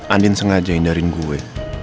andin sengaja hindarin gue